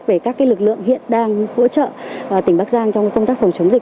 về các lực lượng hiện đang hỗ trợ tỉnh bắc giang trong công tác phòng chống dịch